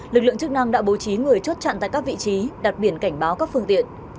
lực lượng chức năng đã bố trí người chốt chặn tại các vị trí đặt biển cảnh báo các phương tiện